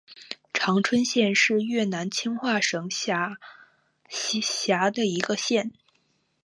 常春县是越南清化省下辖的一个县。